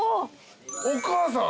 お母さん！